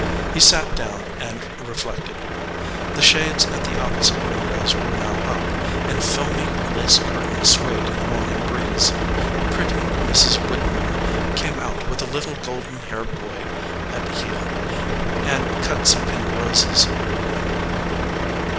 He sat down and reflected. The shades at the opposite windows were now up, and filmy lace curtains swayed in the morning breeze. Pretty Mrs. Whittemore came out with a little golden haired boy at heel, and cut some pink roses.